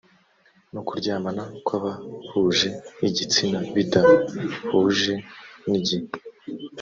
no kuryamana kw abahuje igitsina bidahuje n igihe